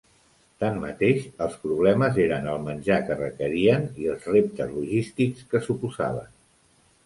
Tanmateix, els problemes eren el menjar que requerien i els reptes logístics que suposaven.